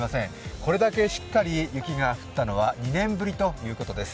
これだけしっかり雪が降ったのは２年ぶりということです。